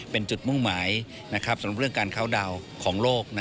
เป็นจุดมุ่งหมายสำหรับเรื่องการเข้าดาวน์ของโลก